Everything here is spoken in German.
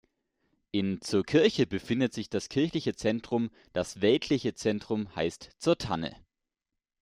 In "Zur Kirche" befindet sich das kirchliche Zentrum, das «weltliche» Zentrum heisst "Zur Tanne".